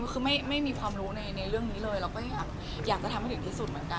คือไม่มีความรู้ในเรื่องนี้เลยเราก็อยากจะทำให้ถึงที่สุดเหมือนกัน